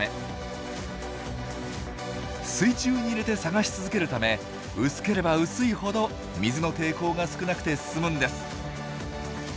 水中に入れて探し続けるため薄ければ薄いほど水の抵抗が少なくて済むんです。